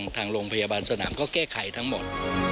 ทางโรงพยาบาลสนามก็แก้ไขทั้งหมด